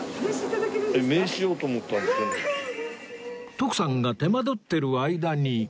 徳さんが手間取ってる間に